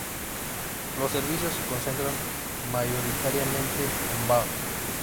Los servicios se concentran mayoritariamente en Valls.